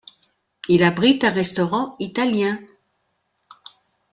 Il abrite un restaurant italien.